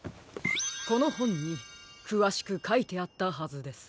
このほんにくわしくかいてあったはずです。